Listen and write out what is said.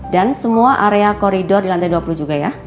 dan semua area koridor di lantai dua puluh juga ya